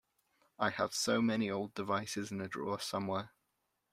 I have so many old devices in a drawer somewhere.